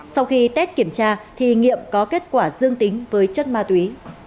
sau khi tết kiểm tra thì nghiệm có kết quả dương tính với chất ma túy